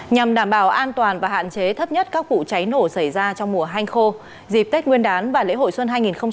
nhằm đảm bảo an toàn và hạn chế thấp nhất các vụ cháy nổ xảy ra trong mùa hanh khô dịp tết nguyên đán và lễ hội xuân hai nghìn hai mươi bốn